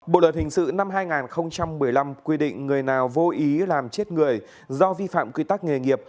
bộ luật hình sự năm hai nghìn một mươi năm quy định người nào vô ý làm chết người do vi phạm quy tắc nghề nghiệp